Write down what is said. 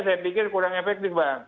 saya pikir kurang efektif bang